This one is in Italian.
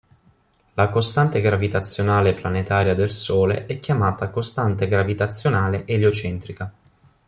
La costante gravitazionale planetaria del Sole è chiamata costante gravitazionale eliocentrica.